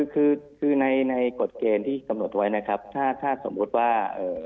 คือคือในกฎเกณฑ์ที่กำหนดไว้นะครับถ้าสมมุติว่า